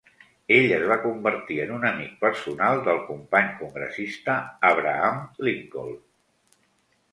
Ell es va convertir en un amic personal del company congressista Abraham Lincoln.